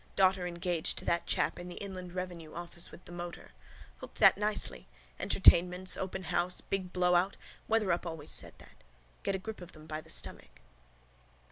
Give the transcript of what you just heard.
Daughter engaged to that chap in the inland revenue office with the motor. Hooked that nicely. Entertainments. Open house. Big blowout. Wetherup always said that. Get a grip of them by the stomach.